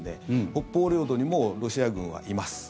北方領土にもロシア軍はいます。